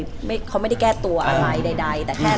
เหมือนนางก็เริ่มรู้แล้วเหมือนนางก็เริ่มรู้แล้ว